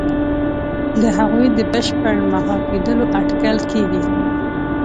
د هغوی د بشپړ محو کېدلو اټکل کېږي.